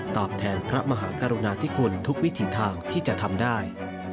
ตอบแทนพระมหากรุณาธิคุณทุกวิถีทางที่จะทำได้